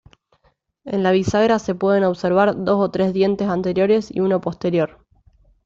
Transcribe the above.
En la bisagra se pueden observar dos o tres dientes anteriores y uno posterior.